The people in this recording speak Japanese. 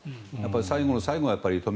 最後の最後は都民